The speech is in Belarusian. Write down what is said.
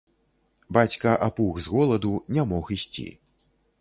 Бацька апух з голаду, не мог ісці.